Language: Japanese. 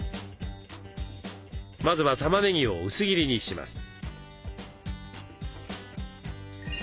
まずはたまねぎを薄切りにします。